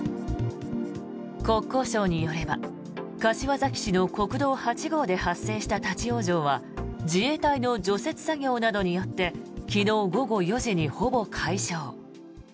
国交省によれば柏崎市の国道８号で発生した立ち往生は自衛隊の除雪作業などによって昨日午後４時にほぼ解消。